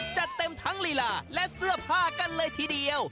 จัดเต็มทั้งลีลาและเสื้อผ้ากันเลยทีเดียว